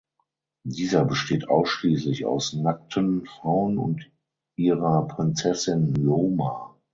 Dieser besteht ausschließlich aus nackten Frauen und ihrer Prinzessin Loma.